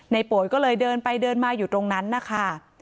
โป๋ยก็เลยเดินไปเดินมาอยู่ตรงนั้นนะคะ